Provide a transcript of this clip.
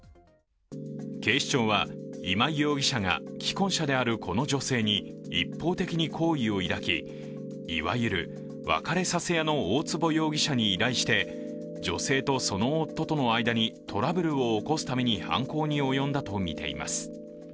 警視庁は、今井容疑者が既婚者であるこの女性に一方的に好意を抱き、いわゆる別れさせ屋の大坪容疑者に依頼して女性とその夫との間にトラブルを起こすために犯行に及んだとみています。